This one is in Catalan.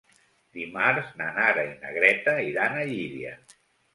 Dimarts na Nara i na Greta iran a Llíria.